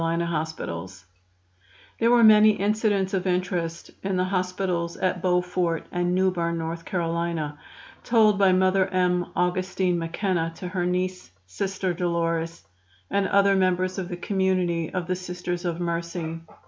There were many incidents of interest in the hospitals at Beaufort and Newberne, N. C., told by Mother M. Augustine MacKenna to her niece, Sister Dolores, and other members of the community of the Sisters of Mercy.